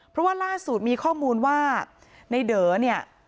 เพราะว่าล่าสุดมีข้อมูลว่าในเด๋อเนี่ย